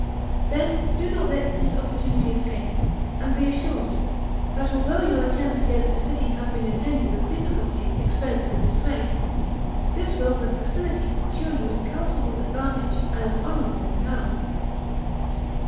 Then do not let this opportunity escape, and be assured, that although your attempts against the city have been attended with difficulty, expense, and disgrace, this will with facility procure you incalculable advantage and an honorable renown."